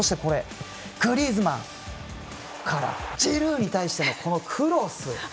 グリーズマンからジルーに対してのクロス。